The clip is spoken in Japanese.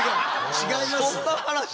違いますよ。